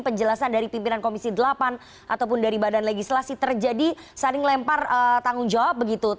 penjelasan dari pimpinan komisi delapan ataupun dari badan legislasi terjadi saling lempar tanggung jawab begitu